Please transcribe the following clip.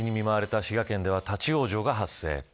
大雪に見舞われた滋賀県では立ち往生が発生。